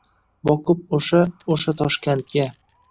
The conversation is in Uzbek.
Boqib oʻsha… oʻsha Toshkandga